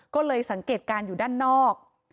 ก็เลยสังเกตการณ์อยู่ด้านนอก